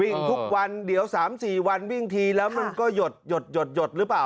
วิ่งทุกวันเดี๋ยว๓๔วันวิ่งทีแล้วมันก็หยดหรือเปล่า